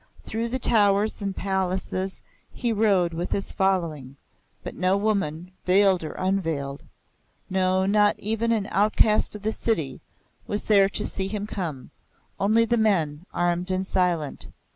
Through the towers and palaces he rode with his following, but no woman, veiled or unveiled, no, not even an outcast of the city, was there to see him come; only the men, armed and silent.